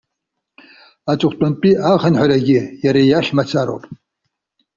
Аҵыхәтәантәи ахынҳәрагьы иара иахь мацароуп.